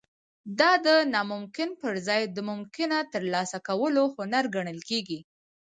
دا د ناممکن پرځای د ممکنه ترلاسه کولو هنر ګڼل کیږي